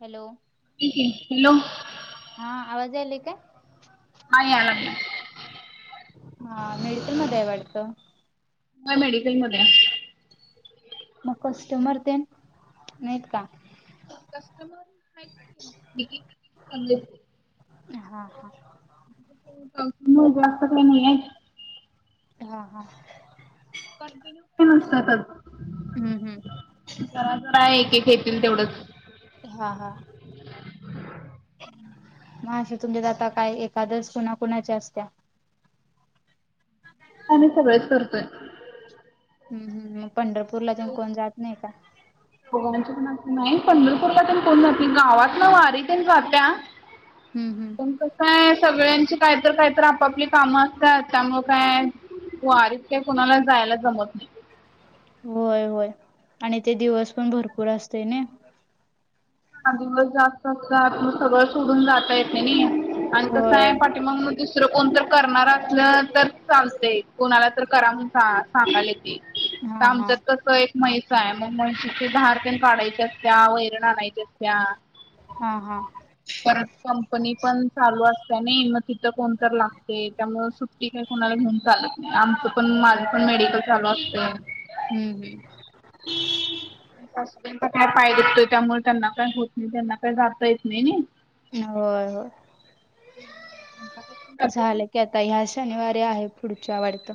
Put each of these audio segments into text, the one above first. Hello hello हा आवाज यायला काय? हा यायला लागलाय - हा मेडिकल मध्ये आहे वाटतं? नही, मेडिकल मध्ये. म कस्टमर तेन नाहीत का? कस्टमर आहेत [unintelligible] हा हा. पावसामुळे जास्त काय नाहीये. हा हा. कंटिन्यू तर नसतातच. हं हं. जरा जरा एक एक येतील तेवढंच. हा हा. म अशा तुमच्या द आता काय एखादच कुणा कुणाच्या असत्या. आम्ही सगळेच करतोय. हं हं मग पंढरपूरला जन कोण जात नाही का? दोघांची पण असते. नाही पंढरपूरलातेण कोण जात्या? गावातन वारी तेन जात्या. हं हं. पण कसाय सगळ्यांची कायतर कायतर आपापली कामं असतात. त्यामुळे काय, वारीत काय कुणाला जायला जमत नाही. होय होय. आणि ते दिवस पण भरपूर असतेय ना. हा दिवस जास्त असतात तर सगळं सोडून जाता येत नाही. आणि होय तसंय प मग दुसरं कोण तर करणार असलं तर चालतय. कोणाला तर करा म्हणून सांगायला येतं. हा हा आमच्यात कस एक म्हैसा आहे. मग म्हशीची धार तेण काढाची असत्या, वैरण आणायची सत्या. हा हा परत कंपनी पण चालू असते ना. मग तिथं कोणतर लागते त्यामुळे सूट ते काय कोणाला घेऊन चालत नाही. आमचं पण माझ पण मेडिकल चालू असतय. हं हं. सासूबाईंचा काय पाय दुखतो, त्यामुळे त्यांना काय होत नाही. त्यांना काय जाता येत नाही नी. होय होय. झालं त्या ताई ह्या शनिवारी आहे पुढच्या वाटतं.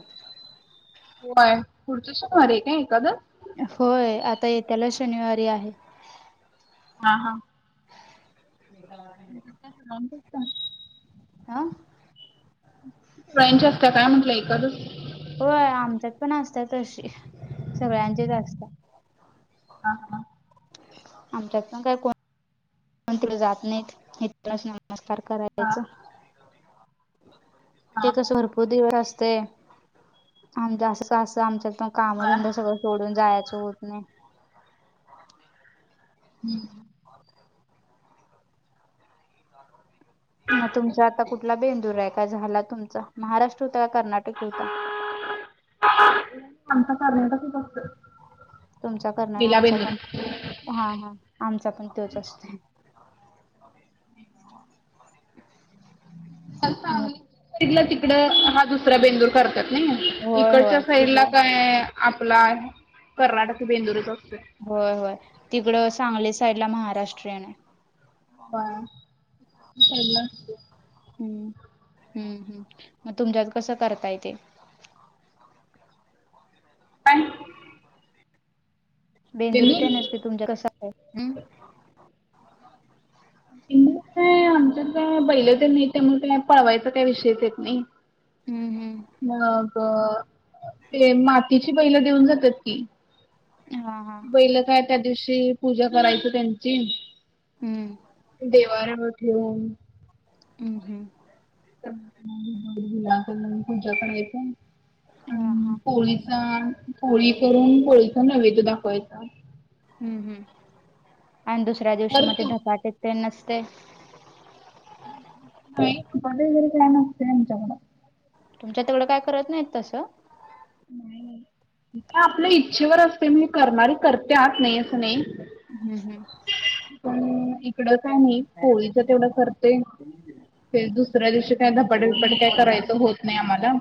व्हय. पुढच्या शनिवारी ये का एकादस? होय. आता येत्याला शनिवारी आहे. हां हां. [inaudible] [unintelligible] अं? सगळ्यांची असत्या काय म्हटलं एकादशी? होय. आमच्यात पण असत तशी सगळ्यांचेच असता. हां हं. आमच्यात पण काय को कोण तीड जात नही इथंनच नमस्कार हा करायच. ते हा कस हा. भरपूर दिवस असते. आमचे असं सासू आमच्यात बर. कामधंदा सगळं सोडून जायचं होत नाही. हं. म तुमचा आता कुठला बेंदूर आहे? का झाला तुमचा? महाराष्ट्र होता का कर्नाटक होता? नही आमचा कर्नाटकीच असतोय. तुमचा कर्नाट, पहिला आमचा बेंदूर. पण, हा हा आमचा पण तोच असतोय. मग सांगलीच्या साईडला तिकड हा दुसरा बेंदूर कर तात नाही. होय इकडच्या होय साईडला तिकडं काय आपला कर्नाटकी बेंदूरच असतोय. होय होय. तिकडं सांगली साईडला महाराष्ट्रीयन आहे. व्हय. त्या साइडला असतय. हम्, हम्म, हम् मग तुमच्यात कसं करताय ते? काय? बेंदूर तेनच की तुमच कस आहे? हम्म मगं काय आमच्यात बैल तेन नाहीत त्यामुळे काय पळवायचा काय विषयच येत नाही. हम्म हम्म मग ते मातीची बैला देऊन जातात कि हा हा. [unintelligible] काय त्या दिवशी पूजा करायच त्यांची. हम्म देवाऱ्यावर [inaudible] हम् हम्. [inaudible] अ हा हा पोळीचा पोळी करून पोळीचा नैवेद्य दाखवायचा हम्म. हम्म! आणि दुसऱ्या दिवशी तर मगं ते तू धपाटे तेन असतें. हम्म! [inaudible] तुमच्या तेवढं काय करत नाहीत तसं. [inaudible] आपल्या इच्छेवर असते म्हणज करणारी करते आत नाही असं नाही. हम् हम्. पण इकड काय नाही पोळीच तेवढं करतोय. ते दुसऱ्या दिवशी काय धपाट बिपाट काय करायचं होत नाही आम्हाला.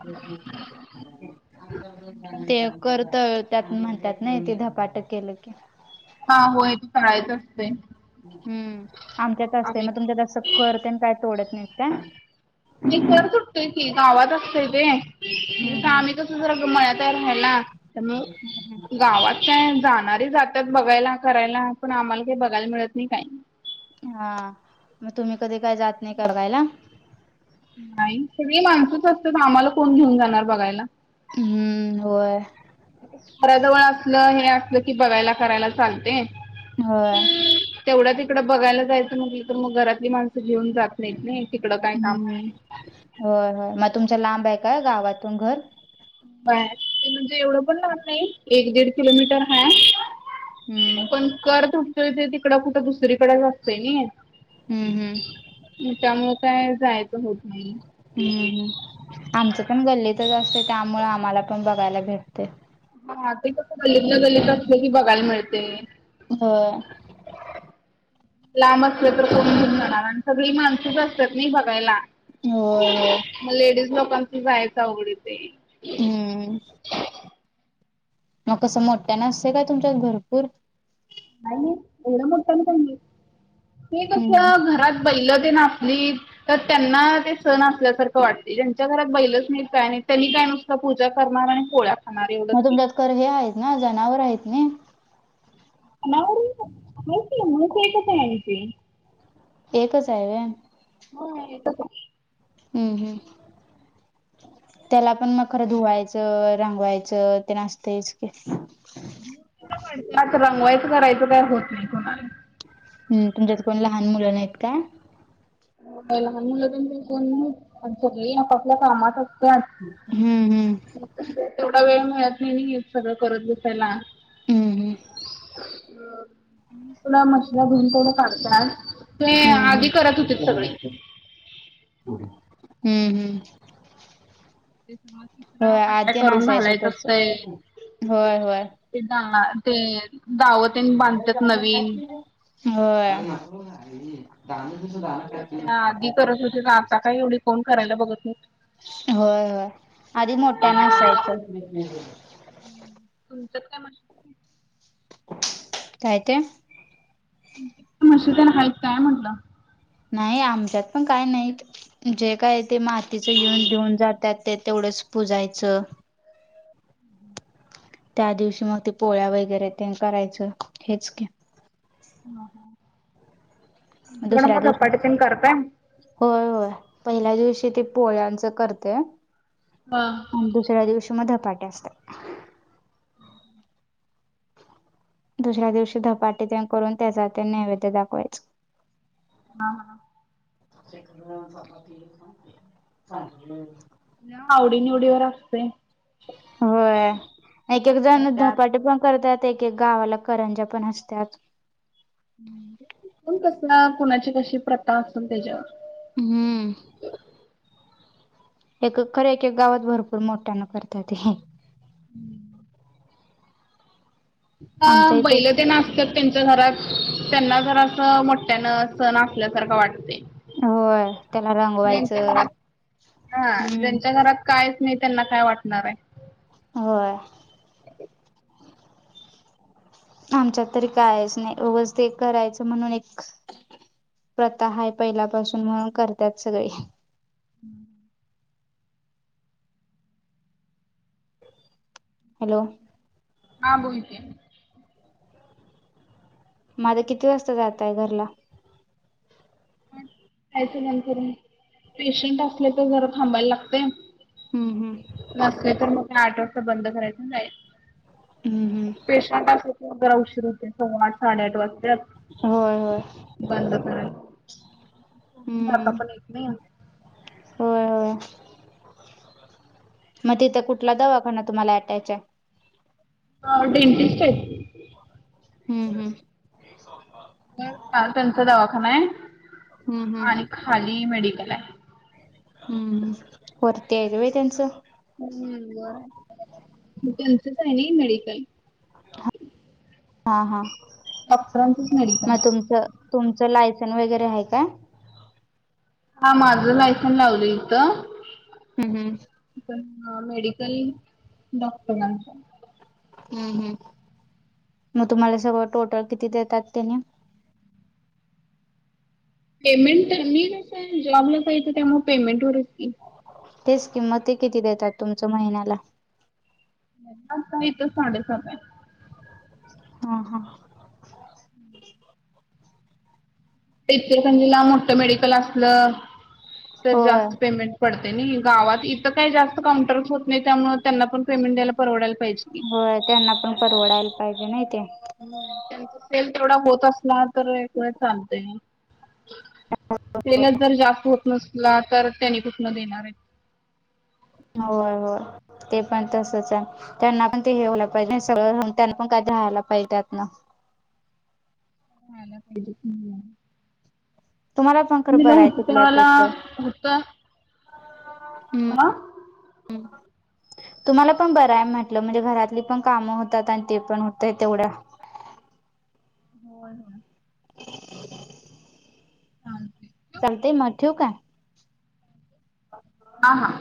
ते कर तळात त्यात म्हणतात ना ते धपाटं केलं की. हा होय ते तळायचं असतय. हम्म! आमच्यात असतंय मग तुमच्या असं कर ते काय तोडत नाहीत काय. इ सर सुटतय की गावात असतय ते हम्म हम्म आम [inaudible] गावात काय जाणारी जातात बघायला करायला पण आम्हाला काही बघायला मिळत नाही काही. हा मग तुम्ही कधी काय जात नाही काय बघायला.. नाही ती माणसच असत्यात आम्हाला कोण घेऊन जाणार बघायला. हम्म! होय. घराजवळ असलं हे असलं की बघायला करायला चालते. होय. तेवढ्या तिकडं बघायला जायचं म्हटलं तर मग घरातली माणसं घेऊन जात नाहीत नाही तिकडं काय काम आहे. हो होय मग तुमचा लांब आहे काय गावातून घर. [unintelligible] ते म्हणजे एवढं पण लाणार नाही एक दीड किलोमीटर हाय. हम्म! पण कर तुटतोय तिकड कुठं दुसरीकडेच असतंय नाही. हम्म हम्. त्यामुळ काय जायचं होत नाही. हम्म हम्. आमचं पण गल्लीतच असते त्यामुंळ आम्हाला पण बघायला भेटते. हा ते कसं गल्लीतल्या गल्लीत असले की बघायला मिळते. होय. लांब असलं तर कोण घेऊन जाणार आणि सगळी माणसूच असतात नाही बघायला होय होय. मग लेडीज लोकांच जायचं आवड ते हम्म मग कसं मोठ्या नसते का तुमच्या भरपूर नाही एवढं मोठ नाहीे ते हम्म कस घरात बैलं ते नासली तर त्यांना ते सण असल्यासारखं वाटते ज्यांच्या घरात बैलच नाहीत काय नाही त्यांनी काय नुकत पूजा करणार आणि पोळ्या खाणार एवढंच मग की तुमच्यात कर हे आहेत ना जनावर आहेत ना ना हती मातकते अणती [inaudible] एकच आहे व्हय. होेत का. हम्म हम्म त्याला पण मग मखर धुवायचं रंगवायचं ते असतेच की. आता रंगवायचं करायचं का होत नाही कोणाला हम्म तुमच्यात कोण लहान मुलं नाहीत का? लहान मुलं पण आपापल्या कामात असते. हम्म हम्म थोडा वेळ मिळत नाही नाही सगळं करत बसायला. हम्म हम् तुला मशला भून तेवड काढतात ते हम्म हम्म हम्म आधी करत होते. ह हम्म हम्म ते सगळं किचडा होय काय काय आद्य करून नसायचं घालायचं तस असतंय होय होय. ते ते दावते बांधतात नवीन हो दण तसं दण त्या आधी करत होते ना नसत आता काय एव्हडं फोन करते. होय होय आधी मोठ्या नसायचं. ् तुमचंत का म काय ते म्ह त्याला हा काय म्हटलं नाही आमच्यात पण काय नाहीत. जे काय ते मातीच येऊन देऊन जातात ते तेवढंच पुजायचं त्या दिवशी मग ते पोळ्या वगैरे ते करायचं हेच क.. ब दुसऱ्या दिवशी होय होय पहिल्या दिवशी ते पोळ्यांचं करते. ह आणि दुसऱ्या दिवशी मग धपाटे असतात. हम् दुसऱ्या दिवशी धपाटे ते करून त्याचा ते नैवेद्य दाखवायच. हा [inaudible] नाही आवडी निवडीवर असते. होय एक एक कोण जण करत्यात धपाटे पण करतात एक एक गावाला करंजा पण असतात. कस कुणाची कशी प्रथा असल त्याच्यावर हम्म एक खर्या एकका गावात भरपूर मोठ्याना करतात हे. हम्म अ आमच्या इथे बैलं ते नाचतात. त्यांच घरात त्यांना जर असं मोठ्यानं सण असल्यासारखं वाटते. होय त्याला जच्या रंगवायचं घात हा हम्म. ज्यांच्या घरात कायच नाही त्यांना काय वाटणार हाय होय. आमच्यात तरी कायच नाही उगच ते करायचं म्हणून एक प्रथा आहे पहिल्यापासून म्हणून करतात सगळे हम्म हॅलो हां बोल की, माझं किती वाजता जाताय घरला? पण यायच नंतर पेशंट असले तर जरा थांबायला लागतय. हू हू. नसले तर मग आठ वाजता बंद करायचं आणि जायच. हू हू. पेशंट असलं तर जरा उशीर होतोय, सव्वा आठ साडेआठ वाजतय. होय होय. बंद करायच. हम्म. व्हय. मग तिथं कुठला दवाखाना तुम्हाला अँटॅच हाय? हा डेंटिस्ट आहेत. हुं हुं. ह दातांचा दवाखाना हाय. हुं हुं. खाली मेडिकल हाय. हम्म वरती हाय व्हय त्यांचं. हम् वर हाय त्यांचच आहे नाई मेडिकल हा हा डॉक्टरांचच मेडिकल मग हाय. तुमचं तुमचं लायसन वगैरे हाय काय? हा माझं लायसन लावलंय इथं. हुं हुं. पण मेडिकल डॉक्टरांच हाय. हुं हुं मग तुम्हाला सगळं टोटल किती देतात त्यानी? पेमेंट तर मी कस जॉबला पाहिजे, त्यामुळं पेमेंटवरच की तेच किं मग, ते किती देतात तुमच महिन्याला? आता इथ साडेसात हाय. हा हा. ते इथ इचलकरंजीला मोठं मेडिकल आसलं तर, होय जास्त पेमेंट पडतय नी गावात इथं काही जास्त काउंटर्स होत नाही. त्यामुळ त्यांना पण पेमेंट द्यायला परवडायला पाहिजे की व्हय त्यांना पण परवडायला पाहिजे नाही ते हम् त्यांचा सेल तेवढा होत असला तर, एक वेळ चालतय. सेलच जर जास्त होत नसला तर, त्यानी कुठल देणार हाइत. व्हय व्हय ते पण तसच हाय त्यांना पण ते हे, व्हायला पाहिजेल ना सगळं त्यांना पण काय झालं पैशाचं? [inaudible] तुम्हाला पण खर मुलाला बर हाय होतं तिथल्या त्यावेळेला तिथं होतं हा. [unintelligible] तुम्हाला पण बराय म्हटलं म्हणजे घरातली पण कामं होतात आणि ते पण होत तेवढ्या हो ना [inaudible] हां हां. चालतय मग ठेवू काय? हां हां.